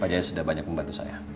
pak jaya sudah banyak membantu saya